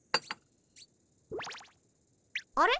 あれ？